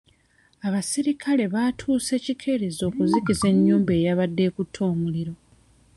Abaserikale batuuse kikeerezi okuzikiza ennyumba eyabadde ekutte omuliro.